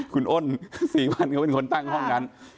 คุณอ้น๔วันก็เป็นคนตั้งห้องนั้น